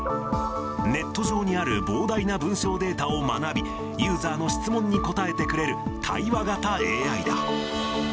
ネット上にある膨大な文章データを学び、ユーザーの質問に答えてくれる、対話型ＡＩだ。